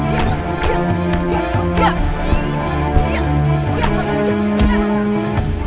ya tuhan apalagi ini